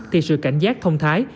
thì sự cảnh giác thông thái